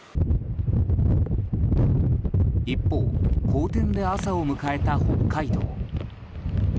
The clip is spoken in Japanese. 一方、荒天で朝を迎えた北海道。